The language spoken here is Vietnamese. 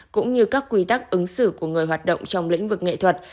cũng như các quy tắc ứng xử của người hoạt động trong lĩnh vực nghệ thuật